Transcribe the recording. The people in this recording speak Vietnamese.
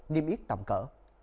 niêm yết tậm cỡ